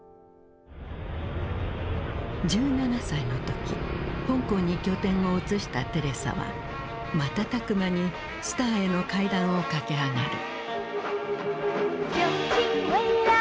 １７歳の時香港に拠点を移したテレサは瞬く間にスターへの階段を駆け上がる。